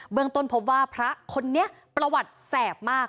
เมืองต้นพบว่าพระคนนี้ประวัติแสบมาก